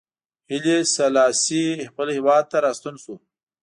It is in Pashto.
هیلي سلاسي خپل هېواد ته راستون شو.